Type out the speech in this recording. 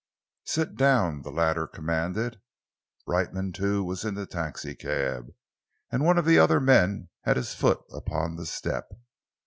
"Sit down," the latter commanded. Brightman, too, was in the taxicab, and one of the other men had his foot upon the step.